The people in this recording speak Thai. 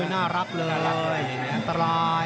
น่ารักเลย